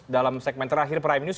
dalam segmen terakhir prime news